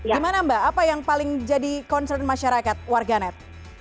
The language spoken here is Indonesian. gimana mbak apa yang paling jadi concern masyarakat warga net